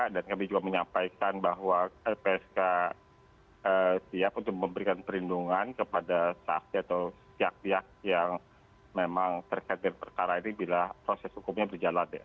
dan kami juga menyampaikan bahwa lpsk siap untuk memberikan perlindungan kepada saksi atau pihak pihak yang memang terkait dengan perkara ini bila proses hukumnya berjalan